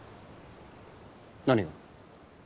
何が？